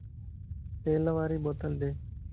تيل واري بوتل ڏي